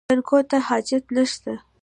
جانکو ته حاجت نشته.